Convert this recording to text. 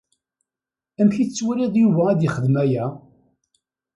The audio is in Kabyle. Amek i tettwaliḍ Yuba ad yexdem aya?